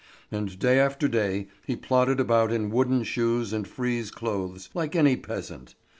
And day after day he plodded about in wooden shoes and frieze clothes like any peasant.